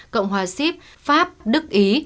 cộng hòa sip pháp đức ý